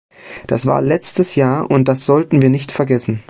Das war letztes Jahr, und das sollten wir nicht vergessen!